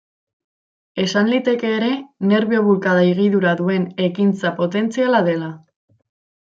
Esan liteke ere nerbio-bulkada higidura duen ekintza potentziala dela.